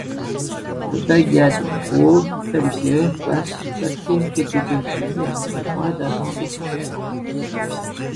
Le Bagad Bro Felger passe en quatrième catégorie après moins d'un an d'existence.